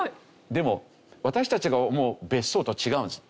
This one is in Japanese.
でも私たちが思う別荘とは違うんです。